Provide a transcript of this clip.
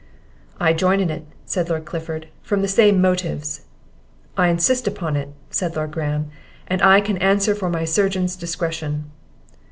"I join in it," said Lord Clifford, "from the same motives." "I insist upon it," said Lord Graham; "and I can answer for my surgeon's discretion."